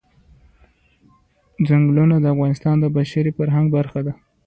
ځنګلونه د افغانستان د بشري فرهنګ برخه ده.